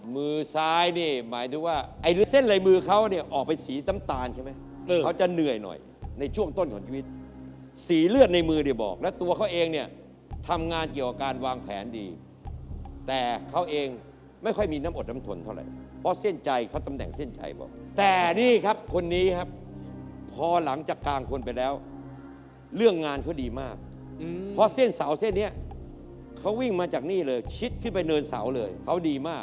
มือซ้ายนี่หมายถึงว่าไอ้หรือเส้นลายมือเขาเนี่ยออกไปสีน้ำตาลใช่ไหมเขาจะเหนื่อยหน่อยในช่วงต้นของชีวิตสีเลือดในมือเนี่ยบอกแล้วตัวเขาเองเนี่ยทำงานเกี่ยวกับการวางแผนดีแต่เขาเองไม่ค่อยมีน้ำอดน้ำทนเท่าไหร่เพราะเส้นใจเขาตำแหน่งเส้นชัยบอกแต่นี่ครับคนนี้ครับพอหลังจากกลางคนไปแล้วเรื่องงานเขาดีมากเพราะเส้นเสาเส้นนี้เขาวิ่งมาจากนี่เลยชิดขึ้นไปเนินเสาเลยเขาดีมาก